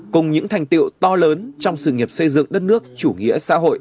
cùng những thành tiệu to lớn trong sự nghiệp xây dựng đất nước chủ nghĩa xã hội